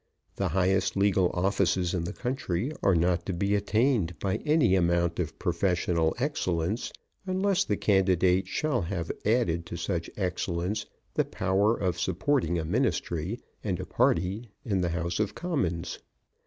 The highest legal offices in the country are not to be attained by any amount of professional excellence, unless the candidate shall have added to such excellence the power of supporting a Ministry and a party in the House of Commons.